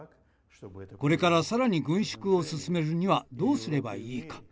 これから更に軍縮を進めるにはどうすればいいか。